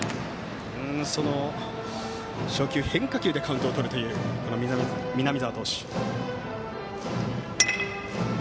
初球、変化球でカウントをとる南澤投手。